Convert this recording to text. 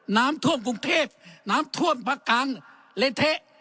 น้ำท่วมกรุงเทพน้ำท่วมประการเละเทะ